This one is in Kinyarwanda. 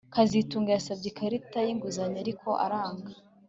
kazitunga yasabye ikarita yinguzanyo ariko aranga